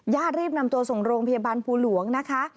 ญาติรีบนำตัวส่งโรงพยาบาลภูหลวงนะคะ